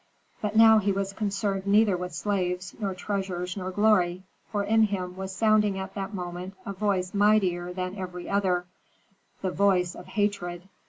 But now he was concerned neither with slaves, nor treasures, nor glory, for in him was sounding at that moment a voice mightier than every other, the voice of hatred.